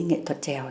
nghệ thuật trèo